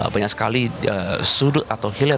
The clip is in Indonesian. banyak sekali sudut atau hilir